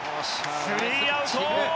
スリーアウト！